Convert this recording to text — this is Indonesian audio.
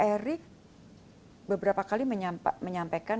erik beberapa kali menyampaikan